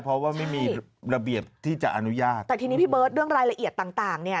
เพราะว่าไม่มีระเบียบที่จะอนุญาตแต่ทีนี้พี่เบิร์ตเรื่องรายละเอียดต่างต่างเนี่ย